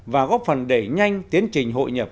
và góp phần đẩy nhanh tiến trình hội nhập